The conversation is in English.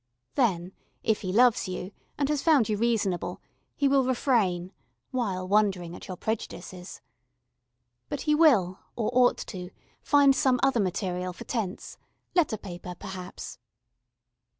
Then, if he loves you, and has found you reasonable, he will refrain, while wondering at your prejudices. But he will or ought to find some other material for tents letter paper perhaps.